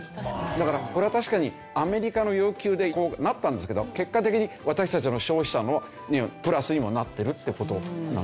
だからこれは確かにアメリカの要求でこうなったんですけど結果的に私たち消費者にはプラスにもなってるって事なんですよね。